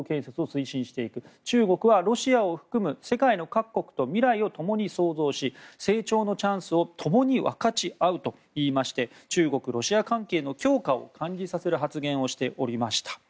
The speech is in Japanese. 中国はロシアを含む世界の各国と未来を共に創造し成長のチャンスを共に分かち合うと言いまして中国、ロシア関係の強化を感じさせる発言をしておりました。